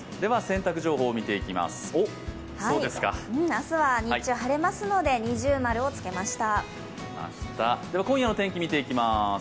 明日は日中晴れますので◎をつけました。